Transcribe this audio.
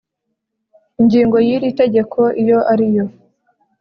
ingingo y iri tegeko iyo ariyo